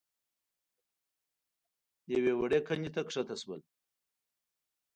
يوې وړې کندې ته کښته شول.